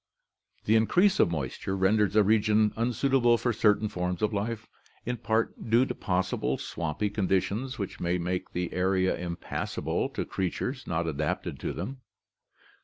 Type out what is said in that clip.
The increase of moisture renders a region unsuitable for certain forms of life, in part due to possible swampy conditions which may make the area impassable to creatures not adapted to them.